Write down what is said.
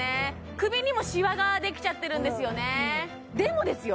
首にもシワができちゃってるんですよねでもですよ